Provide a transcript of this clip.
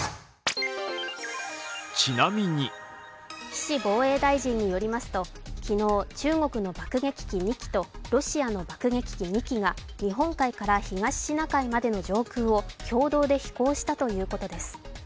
岸防衛大臣によりますと昨日中国の爆撃機２機とロシアの爆撃機２機が日本海から東シナ海までの上空を共同で飛行したということです。